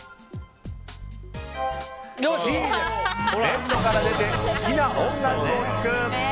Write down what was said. ベッドから出て好きな音楽を聴く。